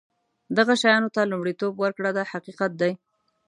دغه شیانو ته لومړیتوب ورکړه دا حقیقت دی.